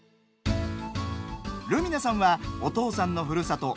瑠海奈さんはお父さんのふるさと